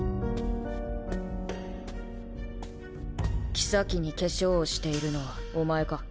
妃に化粧をしているのはお前か？